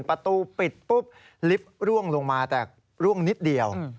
ประตูปิดปุ๊บลิฟต์ร่วงลงมาแต่ร่วงนิดเดียว